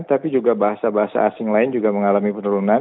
tapi juga bahasa bahasa asing lain juga mengalami penurunan